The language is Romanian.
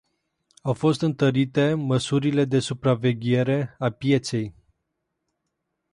Au fost întărite măsurile de supraveghere a pieței.